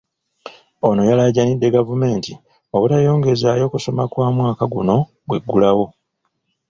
Ono yalaajanidde gavumenti obutayongezaayo kusoma kwa mwaka guno bw'eggulawo.